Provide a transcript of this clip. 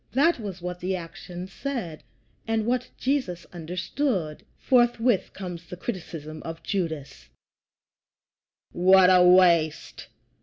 That was what the action said, and what Jesus understood. Forthwith comes the criticism of Judas: "What a waste!